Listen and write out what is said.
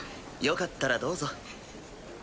よかったらどうぞ。